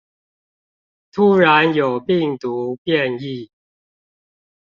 突然有病毒變異